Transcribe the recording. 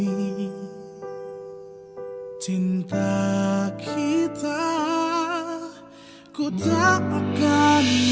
aku tak akan mundur